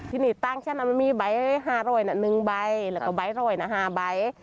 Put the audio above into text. ที่นี่ต่างฉันอ่ะมันมีใบห้าร้อยน่ะหนึ่งใบแล้วก็ใบร้อยน่ะห้าใบ